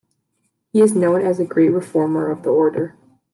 He is known as a great reformer of the order.